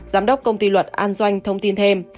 giám đốc công ty luật an doanh thông tin thêm